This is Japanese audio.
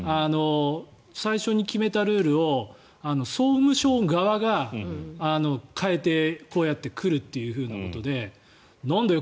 最初に決めたルールを総務省側が変えてくるということでなんだよ